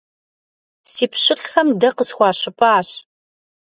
Си пщылӀхэм дэ къысхуащыпащ!